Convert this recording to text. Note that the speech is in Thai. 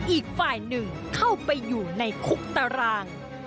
อีกฝ่ายหนึ่งเข้าไปอยู่ในคุกตาราง